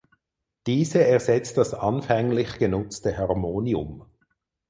Diese ersetzte das anfänglich genutzte Harmonium.